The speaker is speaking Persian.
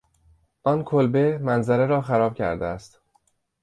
آن کلبه منظره را خراب کرده است.